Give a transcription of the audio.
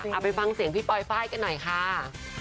มาไปฟังเสียงพี่ปอยป้ายก็หน่อยค่ะ